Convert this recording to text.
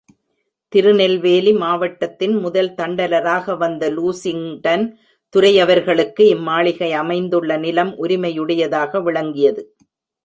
திருநெல்வேலி மாவட்டத்தின் முதல் தண்டலராக வந்த லூசிங்டன் துரையுவர்களுக்கு இம்மாளிகை அமைந்துள்ள நிலம் உரிமையுடையதாக விளங்கியது.